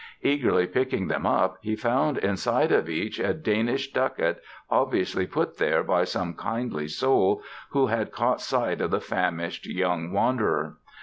Eagerly picking them up he found inside of each a Danish ducat obviously put there by some kindly soul who had caught sight of the famished young wanderer.